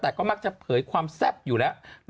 แต่ก็มักจะเผยความแซ่บอยู่แล้ว